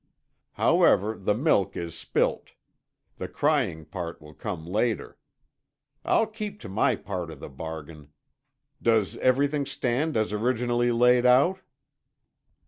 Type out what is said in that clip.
However, the milk is spilt; the crying part will come later. I'll keep to my part of the bargain. Does everything stand as originally laid out?"